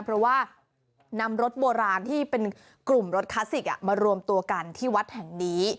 เพราะว่านำรถโบราณที่เป็นกลุ่มรถคลาสสิกมารวมตัวกันที่วัดแห่งนี้